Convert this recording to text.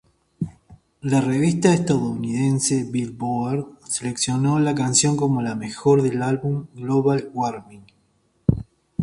La revista estadounidense "Billboard" seleccionó la canción como la mejor del álbum "Global Warming".